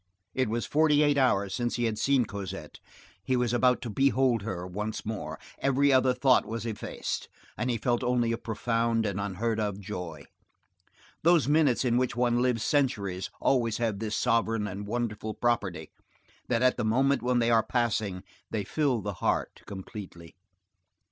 It was forty eight hours since he had seen Cosette; he was about to behold her once more; every other thought was effaced, and he felt only a profound and unheard of joy. Those minutes in which one lives centuries always have this sovereign and wonderful property, that at the moment when they are passing they fill the heart completely.